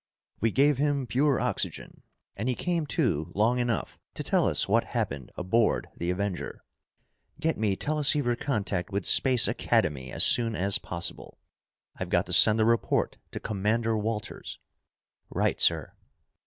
"We gave him pure oxygen and he came to long enough to tell us what happened aboard the Avenger. Get me teleceiver contact with Space Academy as soon as possible. I've got to send a report to Commander Walters." "Right, sir."